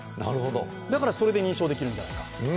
だからそれで認証できるんじゃないか。